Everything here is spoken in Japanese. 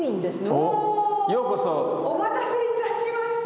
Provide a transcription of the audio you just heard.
お待たせいたしました。